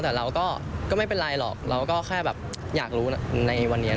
แต่เราก็ไม่เป็นไรหรอกเราก็แค่แบบอยากรู้ในวันนี้